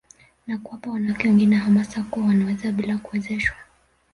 Na kuwapa wanawake wengine hamasa kuwa wanaweza bila kuwezeshwa